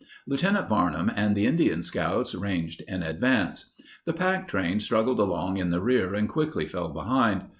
Lieutenant Varnum and the Indian scouts ranged in advance. The packtrain struggled along in the rear and quickly fell behind.